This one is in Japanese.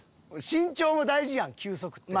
身長も大事やん球速って。